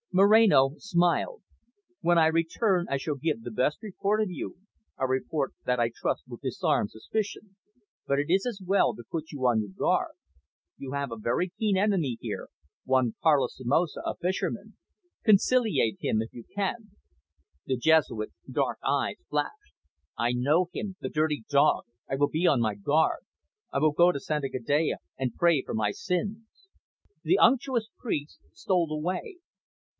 Moreno smiled. "When I return I shall give the best report of you, a report that I trust will disarm suspicion. But it is as well to put you on your guard. You have a very keen enemy here, one Carlos Somoza, a fisherman. Conciliate him, if you can." The Jesuit's dark eyes flashed. "I know him. The dirty dog. I will be on my guard. I will go to Santa Gadea, and pray for my sins." The unctuous priest stole away.